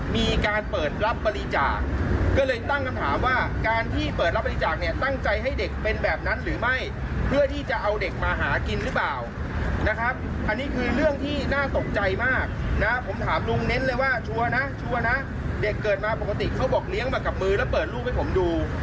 มาหาท่านนกศิลป์เลยแล้วบอกว่าพี่เรื่องนี้ต้องดำเนินการให้ถึงที่สุด